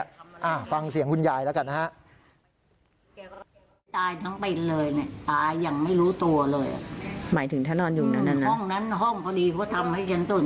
อ่าฟังเสียงคุณยายแล้วกันนะฮะ